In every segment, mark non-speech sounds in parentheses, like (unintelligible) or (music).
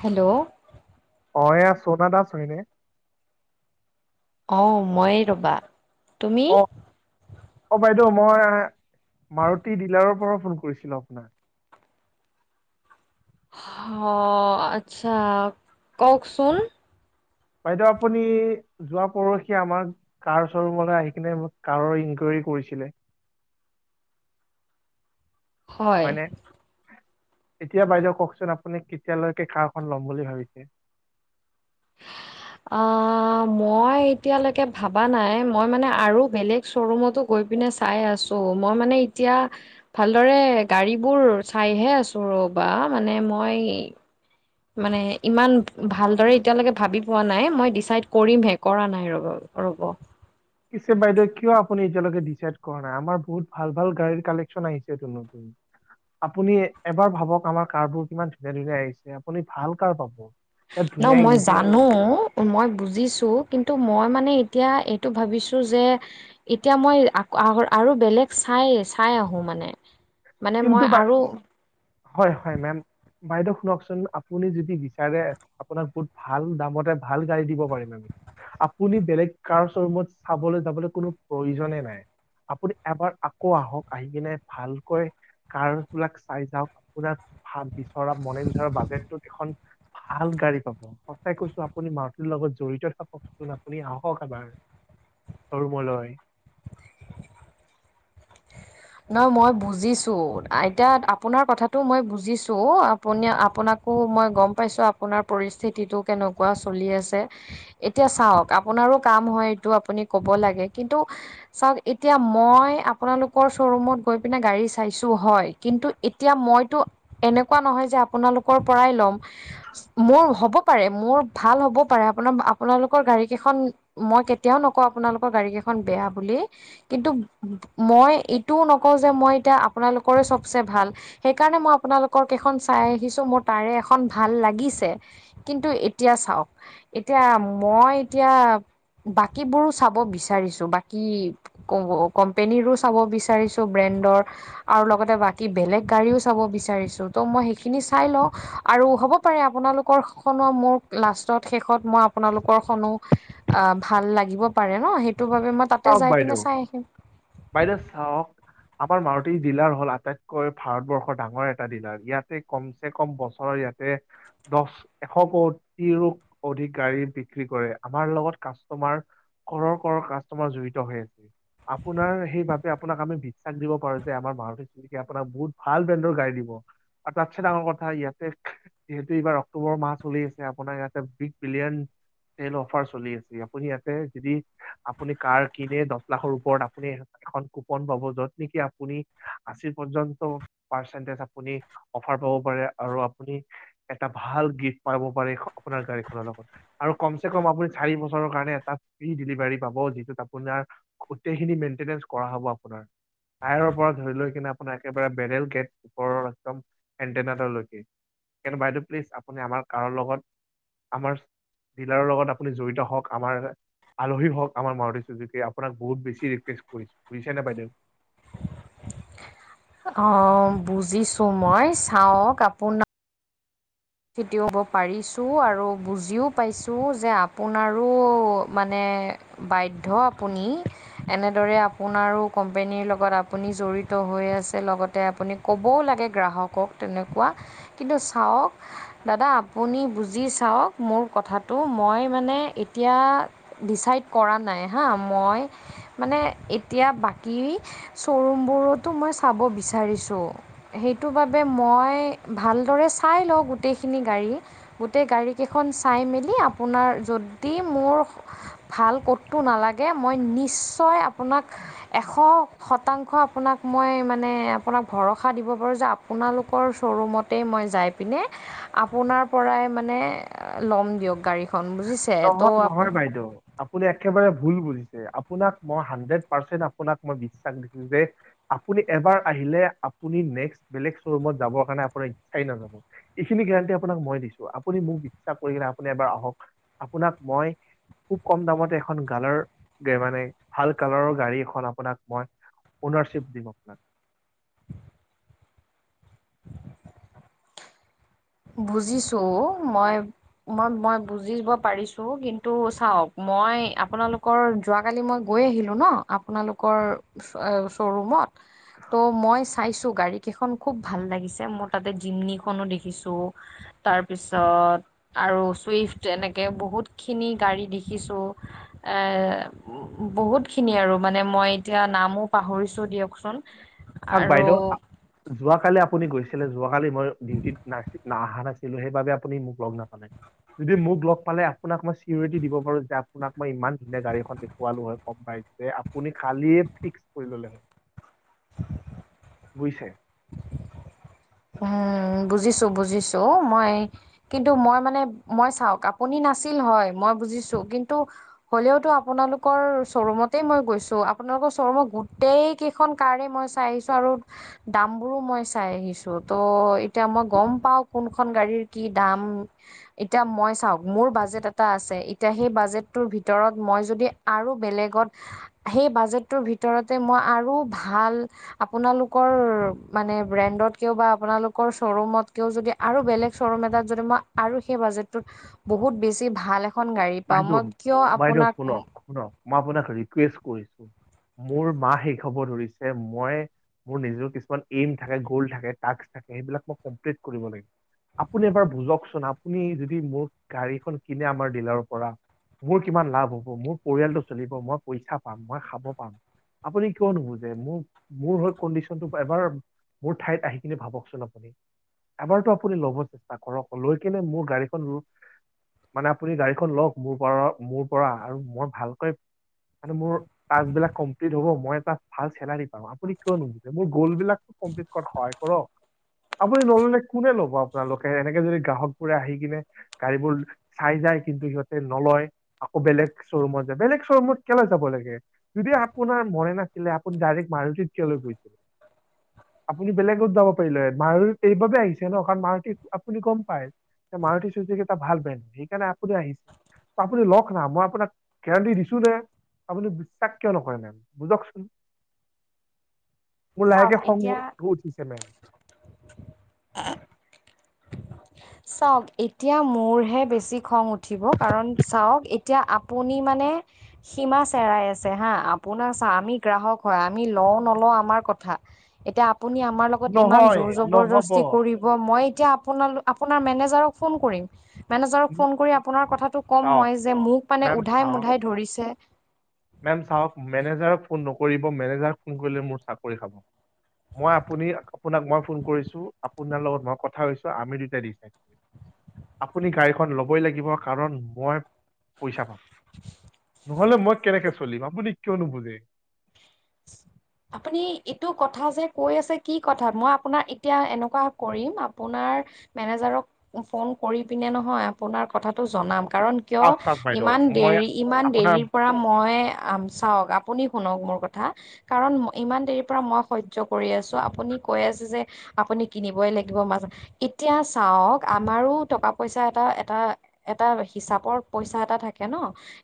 Hello, অ, এয়া চৌনা দাস হয় নে? অ, মইয়ে ৰবা। তুমি অ', অ', বাইদেউ মই মাৰুতি ডিলাৰৰ পৰা ফোন কৰিছিলো আপোনাক। হ, আচ্ছা কওকচোন? বাইদেউ আপুনি যোৱা পৰহি আমাক কাৰ স্বৰুমলে আহি কিনে কাৰৰ ইনকুৱেৰী কৰিছিলে হয় হয়নে? এতিয়া বাইদেউ কওকচোন আপুনি কেতিয়ালৈকে কাৰখন ল'ম বুলি ভাবিছে? (inaudible) অ, মই এতিয়ালৈকে ভাবা নাই মই মানে আৰু বেলেগ শ্বৰুমতো গৈ পিনে চাই আছো মই মানে এতিয়া ভালদৰে গাড়ীবোৰ চাইহে আছোঁ ৰবা মানে মই মানে ইমান ভালদৰে এতিয়ালৈকে ভাবি পোৱা নাই মই ডিচাইড কৰিমহে কৰা নাই ৰব ৰ'ব। পিছে বাইদেউ কিয় আপুনি এতিয়ালৈকে ডিছাইড কৰা নাই আমাৰ বহুত ভাল- ভাল গাড়ীৰ কালেকচন আহিছেটো নত (unintelligible) আপুনি এবাৰ ভাবক আমাৰ কাৰবোৰ কিমান ধুনীয়া- ধুনীয়া আহিছে আপুনি ভাল কাৰ পাব। ইয়াত ধুনীয়া ন' মই ইঞ্জিন জানো মই বুজিছোঁ কিন্তু মই মানে এতিয়া এইটো ভাবিছোঁ যে এতিয়া মই আক আৰু বেলেগ চাই- চাই আহো মানে। মানে কিন্তু মই বাই আৰু হয়-হয় মেম। বাইদেউ শুনকচোন আপুনি যদি বিচাৰে আপোনাক বহুত ভাল দামতে ভাল গাড়ী দিব পাৰিম আমি। আপুনি বেলেগ কাৰ শ্ব'ৰুমত চাবলৈ যাবলৈ কোনো প্ৰয়োজনেই নাই। আপুনি এবাৰ আকৌ আহক আহি কিনে ভালকৈ কাৰ বিলাক চাই যাওক আপোনাৰ ভাল বিচৰা মনে বিচৰা বাজেটটোত এখন ভাল গাড়ী পাব। সঁচাই কৈছো আপুনি মাৰতিৰ লগত জড়িত থাককচোন আপুনি আহক এবাৰ। শ্বৰুমলৈ। না মই বুজিছো এতিয়া আপোনাৰ কথাটো মই বুজিছো অ, আপ আপুনি আপোনাকো মই গম পাইছোঁ আপোনাৰ পৰিস্থিতিটো কেনেকুৱা চলি আছে। এতিয়া চাওক আপোনাৰো কাম হয় এইটো আপুনি কব লাগে কিন্তু চাওক এতিয়া মই আপোনালোকৰ শ্ব' ৰুমত গৈ পিনে গাড়ী চাইছো হয় কিন্তু এতিয়া মইতো এনেকুৱা নহয় যে আপোনালোকৰ পৰাই ল'ম মোৰ হ'ব পাৰে মোৰ ভাল হ'বও পাৰে আপোনাৰ আপোনালোকৰ গাড়ী কেইখন মই কেতিয়াও নকওঁ আপোনালোকৰ গাড়ী কেইখন বেয়া বুলি কিন্তু মই এ তোও নকওঁ যে মই এতিয়া আপোনালোকৰে চবচে ভাল সেইকাৰণে মই আপোনালোকৰ কেইখন চাই আহিছো মোৰ তাৰে এখন ভাল লাগিছে। কিন্তু এতিয়া চাওক এতিয়া মই এতিয়া বাকীবোৰো চাব বিচাৰিছো বাকী কোম্পনীৰো চাব বি - বিচাৰিছো ব্ৰেণ্ডৰ আৰু লগতে বাক কি বেলেগ গাড়ীও চাব বিচাৰিছোঁ তো মই সেইখিনি চাই লওঁ আৰু হ'ব পাৰে আপোনালোকৰ খনো মোৰ - লাষ্টত শেষত মই আপোনালোকৰ খনো ভাল লাগিব পাৰে ন সেইটো বাবে মই - তাতে চাওক যাই বাইদেউ পিনে চাই আহিম। বাইদেউ চাওক - আমাৰ মাৰুতি ডিলাৰ হল আটাইতকৈ ভাৰতবৰ্ষৰ ডাঙৰ এটা ডিলাৰ ইয়াতে কম - হে কম বছৰৰ ইয়াতে - দহ এশ কোটিৰ অধিক গাড়ী বিক্ৰী কৰে আমাৰ লগত কাষ্টমাৰ ক্ৰৰৰ ক্ৰৰৰ কাষ্টমাৰ জড়িত হৈ আছে আপোনাৰ সেইবাবে আপোনাক আমি বিশ্বাস দিব পাৰো যে আমাৰ মাৰুতি চুজুকি আপোনাক বহুত ভাল বেণ্ডৰ গাড়ী দিব আৰু তাতছে ডাঙৰ কথা ইয়াতে যিহেতু এইবাৰ অক্টোবৰ মাহ চলি আছে আপোনাৰ ইয়াতে বিগ বিলিয়ন - চেল অফাৰ চলি আছে, আপুনি ইয়াতে যদি আপুনি কাৰ কিনে দহ লাখৰ ওপৰত - আপুনি এখন কুপন পাব য'ত নেকি আপুনি আশি পৰ্যন্ত - পাৰ্চটিছ আপুনি অফাৰ পাব পাৰে, আৰু আপুনি - এটা ভাল গিফ্ট পাব পাৰে আপোনাৰ গাড়ীখনৰ লগত। আৰু কম চে কম আপুনি চাৰি বছৰৰ কাৰণে এটা ফ্ৰী ডেলিভাৰী পাব, যিটোত আপোনাৰ গোটেই - খিনি মেইন্টেনেচ কৰা হ'ব আপোনাৰ। টাইয়ৰৰ পৰা ধৰি লৈ কিনে আপোনাৰ একেবাৰে বেৰেল গেট ওপৰৰ একদম এণ্টেনাডাললৈকে - কিন্তু বাইদেউ প্লিজ আপুনি আমাৰ কাৰো লগত আমাৰ ডিলাৰৰ লগত আপুনি জড়িত হওঁক আমাৰ আলহী হওক আমাৰ মাৰুতি চুজুকি আপোনাক বহুত বেছি ৰিকুৱেষ্ট কৰিছো বুজিছেনে বাইদেউ অ বুজিছো মই চাওঁক আপোন ছিটিও হব পাৰিছোঁ আৰু বুজিও পাইছোঁ যে আপোনাৰো মানে বাধ্য আপুনি এনেদৰে আপোনাৰো কোম্পেনীৰ লগত আপুনি জড়িত হৈ আছে লগতে আপুনি ক'বও লাগে গ্ৰাহকক তেনেকুৱা কিন্তু চাওঁক দাদা আপুনি বুজি চাওঁক মোৰ কথাটো মই মানে এতিয়া ডিচাইড কৰা নাই হা মই মানে এতিয়া বাকী শ্ব'ৰুমবোৰতো মই চাব বিচাৰিছো সেইটো বাবে মই ভালদৰে চাই লওঁ গোটেইখিনি গাড়ী গোটেই গাড়ীকেইখন চাই মেলি আপোনাৰ যদি মোৰ ভাল কতো নালাগে মই নিশ্চয় আপোনাক এশ শতাংশ আপোনাক মই মানে আপোনাক ভৰসা দিব পাৰোঁ যে আপোনালোকৰ শ্ব'ৰুমতে মই যাই পিনে আপোনাৰ পৰাই মানে ল'ম দিয়ক গাড়ী নহয় নহয় বাইদেউ আপুনি একেবাৰে ভুল বুজিছে আপোনাক মই হাড্ৰেড পাৰ্চন্ট আপোনাক মই বিশ্বাস দিছো যে আপুনি এবাৰ আহিলে আপুনি নেক্স বেলেগ শ্বৰুমত যাবৰ কাৰণে আপোনাৰ ইচ্ছাই নাযাব এইখিনি গেৰাণ্টি আপোনাক মই দিছো আপুনি মোক বিশ্বাস কৰিকিনে আপুনি এবাৰ আহক আপোনাক মই খুব কম দামতে এখন গালৰ মানে ভাল কালাৰৰ গাড়ী এখন আপোনাক মই অ'নাৰশ্বিপ দিম আপোনাক বুজিছো মই মই মই বুজিব পাৰিছো কিন্তু চাওঁক মই আপোনালোকৰ যোৱাকালি মই গৈ আহিলোঁ ন আপোনালোকৰ শ্ব'ৰুমত ত' মই চাইছো গাড়ী কেইখন খুব ভাল লাগিছে মোৰ তাতে জিমনিখনো দেখি ছো তাৰপিছত আৰু চুইফট এনেকে বহুতখিনি গাড়ী দেখিছো এ বহুতখিনি আৰু মানে মই এতিয়া নামো পাহৰিছো দিয়ক। চোন চাওক আৰু বাইদেউ যোৱাকালি আপুনি গৈছিলে যোৱাকালি মই ডিউটিত নাই না অহা নাছিলো সেইবাবে আপুনি মোক লগ নাপালে। যদি মোক লগ পালে আপোনাক মই চিউৰিটি দিব পাৰো যে আপোনাক মই ইমান ধুনীয়া গাড়ীখন দেখুৱালো হয়। গম পাইছে আপুনি খালি ফিক্স কৰি ললে হ'ল। বুজিছে? উম বুজিছো বুজিছো মই কিন্তু মই মানে মই চাওক আপুনি নাছিল হয় মই বুজিছো কিন্তু হ'লেওতো আপোনালোকৰ শ্ব'ৰুমতেই মই গৈছো, আপোনালোকৰ শ্বৰুমত গোটেই কেই খন কাৰে মই চাই আহিছো আৰু দাম বোৰো মই চাই আহিছো। ত' এতিয়া মই গম পাও কোনখন গাড়ীৰ কি দাম। এতিয়া মই চাওক মোৰ বাজেট এটা আছে এতিয়া সেই বাজেটটোৰ ভিতৰত মই যদি আৰু বেলেগত সেই বাজেটটোৰ ভিতৰতে মই আৰু ভাল আপোনালোকৰ মানে ব্ৰেণ্ডত কিয়ও বা আপোনালোকৰ শ্ব'ৰুমতকিয়ও যদি আৰু বেলেগ শ্ব'ৰুম এটাত যদি মই আৰু সেই বাজেটটোত বহুত বেছি ভাল এখন গাড়ী পাওঁ, বাইদেউ মই কিয় বাইদেউ আপোনাক উ শুনক শুনক মই আপোনাক ৰিকুৱেষ্ট কৰিছো মোৰ মাহ শেষ হব ধৰিছে মই মোৰ নিজৰ কিছুমান ইন থাকে, গোল্ড থাকে, তাস্ক থাকে সেইবিলাক মই কমপ্লিট কৰিব লাগে। আপুনি এবাৰ বুজকচোন আপুনি যদি মোৰ গাড়ীখন কিনে আমাৰ ডিলাৰৰ কৰা, মোৰ কিমান লাভ হ'ব মোৰ পৰিয়ালটো চলিব মই পইচা পাম মই খাব পাম। আপুনি কিয় নুবুজে? মোৰ মোৰ কণ্ডিশনটো এবাৰ মোৰ ঠাইত আহি কিনে ভাবকচোন আপুনি? এবাৰতো আপুনি ল'ব চেষ্টা কৰক লৈ কেনে মোৰ গাড়ীখন মানে আপুনি গাড়ী এখন লগ মোৰ পৰা মোৰ পৰা আৰু মই ভালকৈ মানে মোৰ টাচবিলাক কমপ্লিট হ'ব মই তাত ভাল চেলাৰী পাম, আপুনি কিয় নুবুজে? মোৰ গ'ল বিলাকো কমপ্লিট কৰা সহায় কৰক। আপুনি নললে কোনে ল'ব আপোনালোকে এনেকে যদি গ্ৰাহকবোৰে আহি কিনে গাড়ীবোৰ চাই যায়। কিন্তু সিহঁতে নলয় আকৌ বেলেগ শ্ব'ৰুমত যায় বেলেগ শ্ব'ৰুমত কেলৈ যাব লাগে? যদি আপোনাৰ মনে নাছিলে আপুনি ডাইৰেক্ট মাৰুতিত কিয় লৈ গৈছিলে? আপুনি বেলেগত যাব পাৰিলে মাৰুত এইবাবে আহিছে ন কাৰণ মাৰুতি আপুনি গম পায়। মাৰুতি চুজুকি এটা ভাল ব্ৰেন্ড সেইকাৰণে আপুনি আহিছে। আপুনি লওক না মই আপোনাক গেৰান্টি দিছো যে আপুনি বিশ্বাস কিয় নকৰে মেম বুজকচোন? মোৰ চাউক লাহেকে খং এতিয়া উঠিছে মেম। আ (inaudible) চাওক এতিয়া মোৰহে বেছি খং উঠিব কাৰণ চাওক এতিয়া আপুনি মানে সীমা চেৰাই আছে হা! আপোনাৰ চা আমি গ্ৰাহক হয় আমি লও নলওঁ আমাৰ কথা। এতিয়া আপুনি আমাৰ লগত ইমান নহয় জোৰ নহ'ব জবৰদস্তি কৰি ব মই এতিয়া আপোন আপোনাৰ মেনেজাৰক ফোন কৰিম। মেনেজাৰক ফোন কৰি আপোনাৰ কথাটো ক'ম অ মই যে মোক মানে মেম উধাই চাওক মুধাই ধৰিছে। মেম চাওক মেনেজাৰক ফোন নকৰিব মেনেজাৰক ফোন কৰিলে মোৰ চাকৰি খাব। মই আপুনি আপোনাক মই ফোন কৰিছো আপোনাৰ লগত মই কথা হৈছো আমি দুটাই দিছো। আপুনি গাড়ীখন ল'বই লাগিব কাৰণ মই পইচা পাম। (inaudible) নহলে মই কেনেকে চলিম আপুনি কিয় নুবুজি? (inaudible) আপুনি এইটো কথা যে কৈ আছে কি কথা মই আপোনাৰ এতিয়া এনেকোৱা কৰিম আপোনাৰ মেনেজাৰক ফোন কৰি পিনে নহয় আপোনাৰ কথাটো জনাম কাৰণ কিয় চাওক চাওক বাইদেউ ইমান মই দেৰি ইমান আপোনাৰ দেৰিৰ পৰা মই আম চাওক আপুনি শুনক মোৰ ক থা কাৰণ ইমান দেৰি পৰা মই সহ্য কৰি আছো আপুনি কৈ আছে যে আপুনি কিনিবই লাগিব মাজত এতিয়া চাওক আমাৰো টকা পইচা এটা এটা এটা হিচাপৰ পইচা এটা থাকে ন।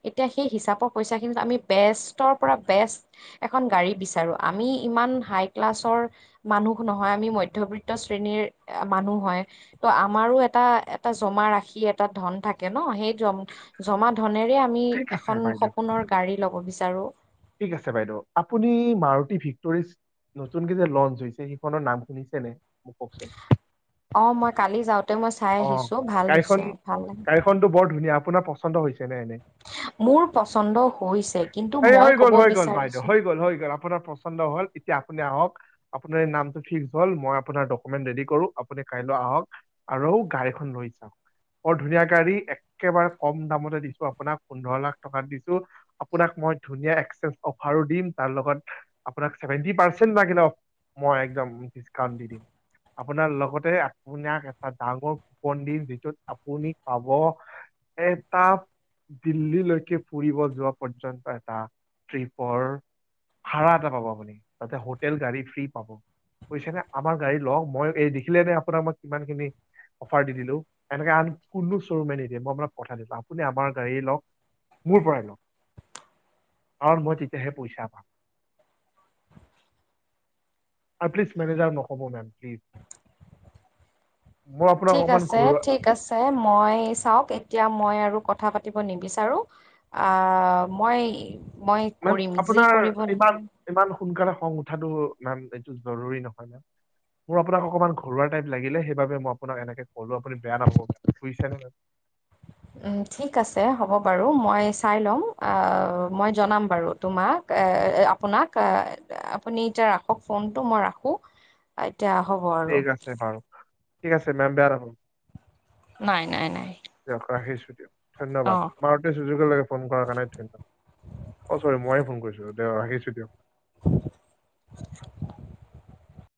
এতিয়া সেই হিচাপৰ পইচা খিনিত আমি বেষ্টৰ পৰা বেষ্ট এখন গাড়ী বিচাৰো আমি ইমান হাই ক্লাছৰ মানুহ নহয় আমি মধ্যবিত্ত শ্ৰেণীৰ মানুহ হয়। ত আমাৰো এটা এটা জমা ৰাখি এটা ধন থাকে ন সেই জম জমা ধনেৰে আমি ঠিক আছে এখন বাইদেউ সপোনৰ গাড়ী ল'ব বিচাৰো ঠিক আছে বাইদেউ আপুনি মাৰুতি ভিক্টৰিছ নতুনকে যে লঞ্চ হৈছে সেইখনৰ নাম শুনিছে নে মোক কওকচোন। অ মই কালি যাওতে মই চাই আহিছো ভাল হৈছে ভাল লা টো বৰ ধুনীয়া আপোনাৰ পচন্দ হৈছে নে এনে। মোৰ পছন্দ হৈছে কিন্তু মই কব বিচাৰিছো যি হ'ল হৈ গেলক আপোনাৰ পচন্দ হ'ল এতিয়া আপুনি আহক আপোনাৰ নামটো ফিক্স হল মা লক্ষ্মীৰ আপোনাৰ ডকুমেন্ট ৰেডি কৰো আপুনি কাইলৈ আহক। আৰু গাড়ীখন লৈ যাওক বৰ ধুনীয়া গাড়ী একেবাৰে কম দামতে দিছো আপোনাক পোন্ধৰ লাখ টকাত দিছো আপোনাক মই ধুনীয়া এক্সেঞ্চ অফাৰো দিম তাৰ লগত আপোনাক চেভেনটি পাৰচেণ্ট লাগিলে অফ মই একদম ডিচকাউন্ট দি দিম আপোনাৰ লগতে আপোনাক এটা ডাঙৰ কুপন দি যিটোত আপুনি পাব এটা দিল্লীলৈকে ফুৰিব যোৱা পৰ্যন্ত এটা ট্ৰিপৰ ভাড়া এটা পাব আপুনি তাতে হোটেল গাড়ী ফ্ৰী পাব বুইছ নে আমাৰ গাড়ী লও মই এই দেখিলে নে আপোনাৰ মোক কিমান খিনি অফাৰ দি দিলো এনেকে আন কোনো চ্বৰুমে নিদিয়ে মই আপোনাক পঠাই দিলো আপনি আমাৰ গাড়ীয়ে লওক মোৰ পৰাই লওক কাৰণ মই তেতিয়াহে পইচা পাম আৰু প্লিজ মেনেজাৰক নক'ব মেম প্লিজ মই আপোনাক অকমান ঘৰুৱা যে মই চাওক এতিয়া মই আৰু কথা পাতিব নিবিচাৰো আ মই মই মেম কৰিম যি আপোনাৰ কৰিব লাগে ইমান ইমান সোনকালে খং উঠাটো মেম এইটো জৰুৰী নহয় মোৰ আপোনাক অকণমান ঘৰুৱা টাইপ লাগিলে সেইবাবে মই আপোনাক এনেক ক'লো আপুনি বেয়া নাপাব বুইছে নে মেম উম ঠিক আছে হ'ব বাৰু মই চাই ল'ম মই জনাম বাৰু তোমাক আপোনাক আপুনি এতিয়া ৰাখক ফোনটো মই ৰাখো (inaudible) এতিয়া হ'ব আৰু ঠিক আছে বাৰু ঠিক আছে মেম বেয়া নাপাব নাই নাই নাই দিয়ক ৰাখিছো দিয়ক অ ধন্যবাদ মাৰুতি চুযোকী লাগে ফোন কৰাৰ কাৰণে ধন্যবাদ অ চৰি ময়ে ফোন কৰিছো দে ৰাখিছো দিয়ক (unintelligible)